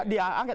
di hak angket